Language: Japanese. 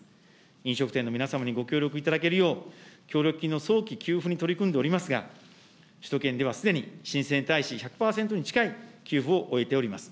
飲食店の皆様にご協力いただけるよう、協力金の早期給付に取り組んでおりますが、首都圏ではすでに申請に対し、１００％に近い給付を終えております。